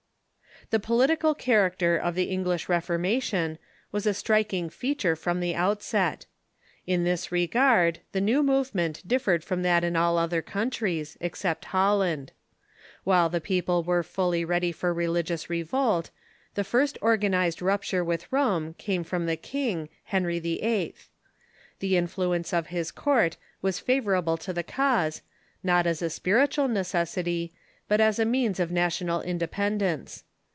The political character of the English Reformation was a striking feature from the outset. In this regard the new movement differed from that in all other countries, of^Refo:m except Holland. While the people were fully ready for religious revolt, the first organized rupture with Rome came from the king, Henry VIII. The influence of his court was favorable to the cause, not as a spiritual necessity, but as a means of national independence.